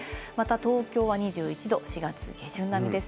東京２１度、４月下旬並みです。